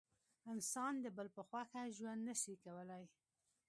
انسان د بل په خوښه ژوند نسي کولای.